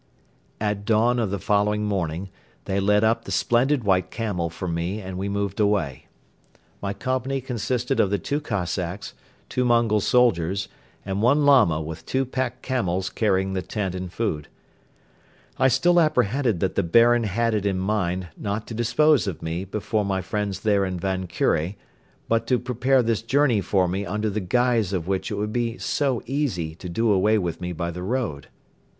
At dawn of the following morning they led up the splendid white camel for me and we moved away. My company consisted of the two Cossacks, two Mongol soldiers and one Lama with two pack camels carrying the tent and food. I still apprehended that the Baron had it in mind not to dispose of me before my friends there in Van Kure but to prepare this journey for me under the guise of which it would be so easy to do away with me by the road.